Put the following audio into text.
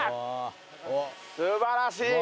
素晴らしい！